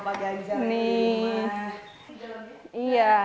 pak ganjar ini iya